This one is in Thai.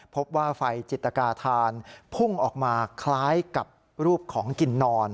พบว่าไฟจิตกาธานพุ่งออกมาคล้ายกับรูปของกินนอน